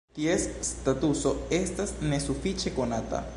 Ties statuso estas nesufiĉe konata.